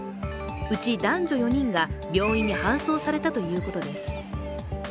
うち男女４人が病院に搬送されたということです。